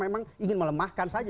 memang ingin melemahkan saja